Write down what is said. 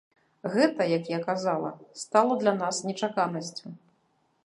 Гэта як я казала, стала для нас нечаканасцю.